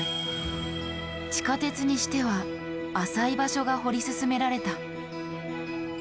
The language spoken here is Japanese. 地下鉄にしては浅い場所が掘り進められた。